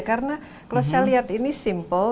karena kalau saya lihat ini simple